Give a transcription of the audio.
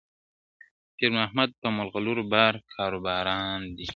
پیرمحمد په ملغلرو بار کاروان دی,